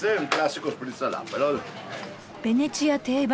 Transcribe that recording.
ベネチア定番。